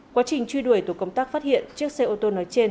quá trình truy đuổi tổ công tác phát hiện chiếc xe ô tô nói trên